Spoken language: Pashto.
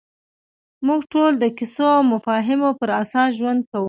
موږ ټول د کیسو او مفاهیمو پر اساس ژوند کوو.